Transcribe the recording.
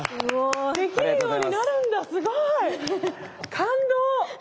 できるようになるんだすごい！感動！